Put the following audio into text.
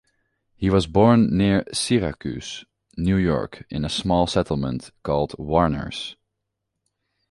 He was born near Syracuse, New York, in a small settlement called Warners.